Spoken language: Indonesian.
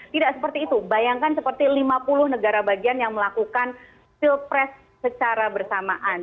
tidak seperti itu bayangkan seperti lima puluh negara bagian yang melakukan pilpres secara bersamaan